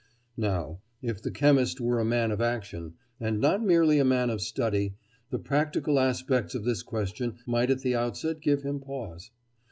Now, if the chemist were a man of action, and not merely a man of study, the practical aspects of this question might at the outset give him pause.